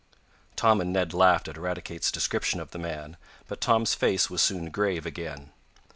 Tom and Ned laughed at Eradicate's description of the man, but Tom's face was soon grave again.